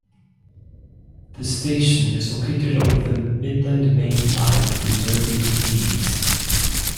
The station is located on the Midland Main Line from Derby to Leeds.